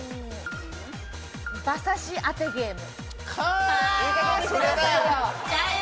馬刺し当てゲーム。